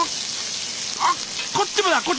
あっこっちもだ。